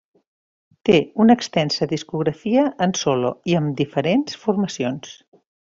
Té una extensa discografia en solo i amb diferents formacions.